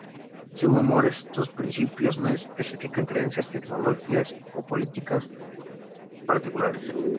Según More, estos principios "no especifican creencias, tecnologías, o políticas particulares".